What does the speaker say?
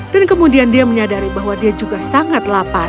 dan kemudian dia menyadari bahwa dia juga sangat lapar